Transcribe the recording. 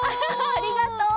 ありがとう。